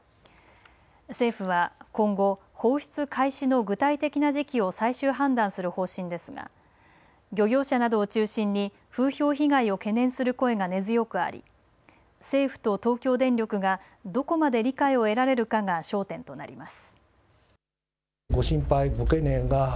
政府は、今後放出開始の具体的な時期を最終判断する方針ですが漁業者などを中心に風評被害を懸念する声が根強くあり政府と東京電力がどこまで理解を得られるかが焦点となります。